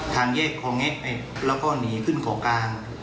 ทางแยกคอแงะแล้วก็หนีขึ้นข่อกลาง